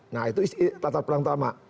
nah itu isi latar perang pertama